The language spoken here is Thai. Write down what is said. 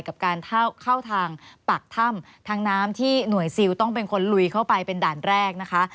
กับการเข้าทางปากถ้ำทางน้ำที่หน่วยซิลต้องเป็นคนลุยเข้าไปเป็นด่านแรกนะคะ